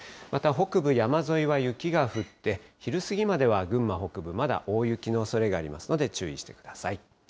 また北部山沿いは雪が降って、昼過ぎまでは群馬北部、まだ大雪のおそれがありますので、注意してください。